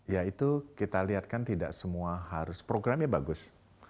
ya itu kita lihatkan tidak semua harus programnya bagus